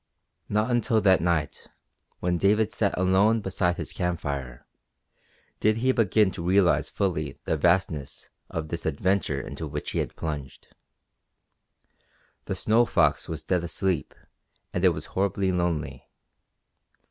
Not until that night, when David sat alone beside his campfire, did he begin to realize fully the vastness of this adventure into which he had plunged. The Snow Fox was dead asleep and it was horribly lonely.